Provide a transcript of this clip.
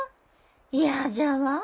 嫌じゃわあ